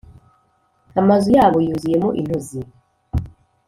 Amazu ya bo yuzuyemo intozi.